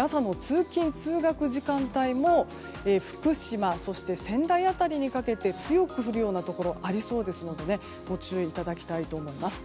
朝の通勤・通学時間帯も福島、そして仙台辺りにかけて強く降るようなところがありそうですのでご注意いただきたいと思います。